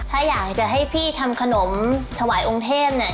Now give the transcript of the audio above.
ถ้าอยากจะให้พี่ทำขนมถวายองค์เทพเนี่ย